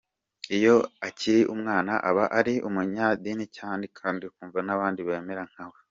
Iyo akiri umwana aba ari umunyedini cyane kandi akumva n’abandi bamera nkawe.